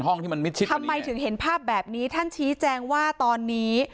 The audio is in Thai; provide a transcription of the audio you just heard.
ที่มันมิดชิดทำไมถึงเห็นภาพแบบนี้ท่านชี้แจงว่าตอนนี้